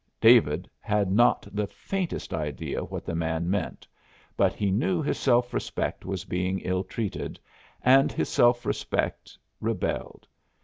David had not the faintest idea what the man meant, but he knew his self respect was being ill treated, and his self respect rebelled.